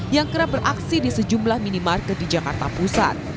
yang kerap beraksi di sejumlah minimarket di jakarta pusat